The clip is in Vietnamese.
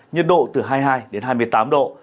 nhiệt độ từ hai mươi hai đến hai mươi tám độ